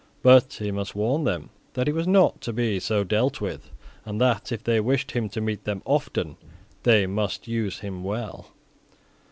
But he must warn them that he was not to be so dealt with, and that, if they wished him to meet them often they must use him well.